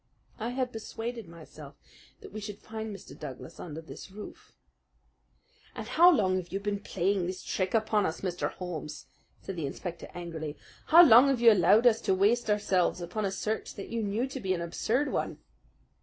I had persuaded myself that we should find Mr. Douglas under this roof." "And how long have you been playing this trick upon us, Mr. Holmes?" said the inspector angrily. "How long have you allowed us to waste ourselves upon a search that you knew to be an absurd one?"